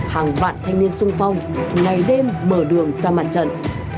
hàng vạn thanh niên sung phong ngày đêm mở đường ra mặt trận